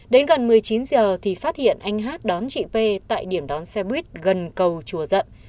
đến gần một mươi chín giờ thì phát hiện anh hát đón chị p tại điểm đón xe buýt gần cầu chùa dận